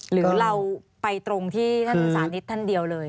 หรือเราไปตรงที่ท่านสานิทท่านเดียวเลย